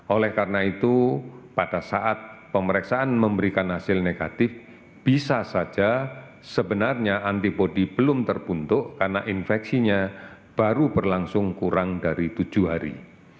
oleh karena itu pada saat pemeriksaan memberikan hasil negatif bisa saja sebenarnya antibody belum terbentuk karena infeksinya baru berlangsung kurang dari tujuh hari